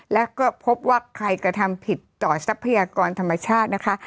และก็พบว่าใครกระทำผิดต่อทรัพยากรธรรมชาตินะคะ